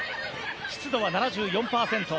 湿度は７４％。